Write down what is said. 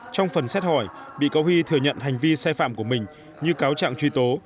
trong phần xét hỏi bị cáo huy thừa nhận hành vi sai phạm của mình như cáo trạng truy tố